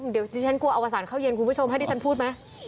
เดี๋ยวดิฉันกลัวอวสารเข้าเย็นคุณผู้ชมให้ดิฉันพูดไหม